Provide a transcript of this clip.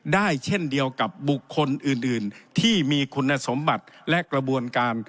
เช่นเดียวกับบุคคลอื่นที่มีคุณสมบัติและกระบวนการ